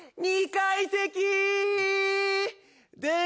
２階席ー！